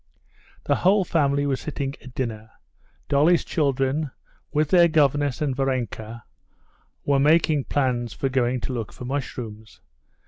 The whole family were sitting at dinner. Dolly's children, with their governess and Varenka, were making plans for going to look for mushrooms.